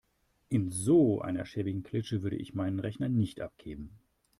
In so einer schäbigen Klitsche würde ich meinen Rechner nicht abgeben.